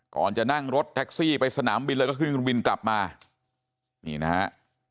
ก่อนจะนั่งรถแท็กซี่ไปสนามบินแล้วก็ขึ้นบินกลับมานี่นะฮะ